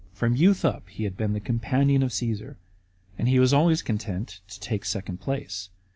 From youth up he had been the companion of Caesar, and he was always content to take the second place.